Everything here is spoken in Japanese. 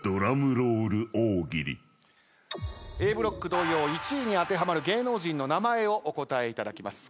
ブロック同様１位に当てはまる芸能人の名前をお答えいただきます。